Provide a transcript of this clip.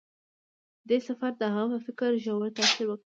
دې سفر د هغه په فکر ژور تاثیر وکړ.